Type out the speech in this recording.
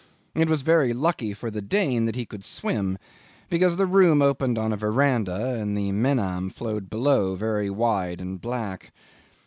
It was very lucky for the Dane that he could swim, because the room opened on a verandah and the Menam flowed below very wide and black.